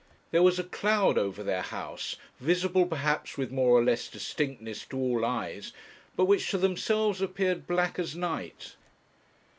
There was a cloud over their house, visible perhaps with more or less distinctness to all eyes, but which to themselves appeared black as night.